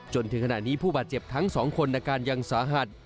จนถึงขณะนี้ผู้บาดเจ็บทั้งสองคนอาการยังสาหัส